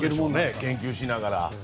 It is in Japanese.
研究しながら。